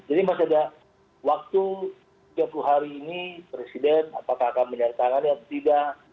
jadi masih ada waktu tiga puluh hari ini presiden apakah akan menandatangani atau tidak